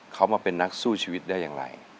เขามาเป็นนักสู้ชีวิตได้อย่างไร